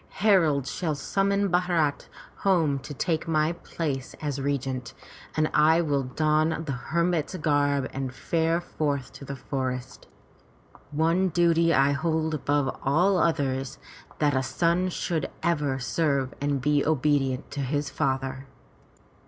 Heralds shall summon Bharat home to take my place as regent, and I will don the hermit's garb and fare forth to the forest. One duty I hold above all others — that a son should ever serve and be obedient to his father."